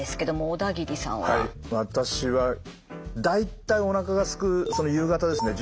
私は大体おなかがすく夕方ですね